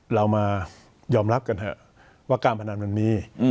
เรามายอมรับกันเถอะว่าการพนันมันมี